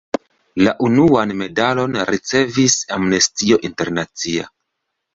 La unuan medalon ricevis Amnestio Internacia.